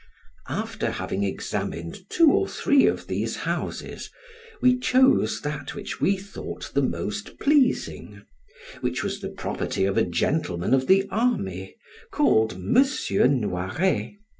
After having examined two or three of these houses, we chose that which we thought the most pleasing, which was the property of a gentleman of the army, called M. Noiret.